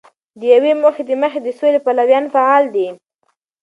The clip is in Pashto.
د یوې موخی د مخې د سولې پلویان فعال دي.